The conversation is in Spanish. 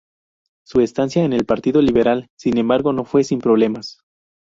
Su estancia en el Partido Liberal, sin embargo, no fue sin problemas.